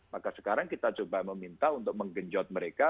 maka sekarang kita coba meminta untuk menggenjot mereka